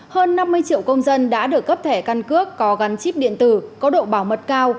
hơn năm mươi triệu công dân đã được cấp thẻ căn cước có gắn chip điện tử có độ bảo mật cao